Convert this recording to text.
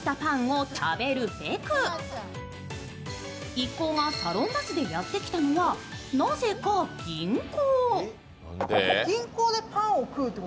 一行がサロンバスでやってきたのはなぜか銀行。